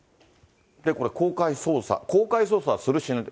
これ、公開捜査、公開捜査をする、しない。